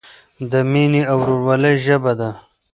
د مینې او ورورولۍ ژبه ده.